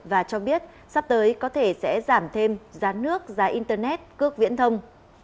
và cho biết sắp tới có thể sẽ giảm thêm giá nước giá internet cước viễn thông